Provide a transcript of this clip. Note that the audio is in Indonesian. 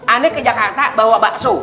anda ke jakarta bawa bakso